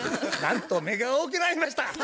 なんと目が大きくなりました。